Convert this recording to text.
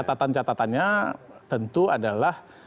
catatan catatannya tentu adalah